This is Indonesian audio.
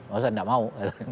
masa tidak mau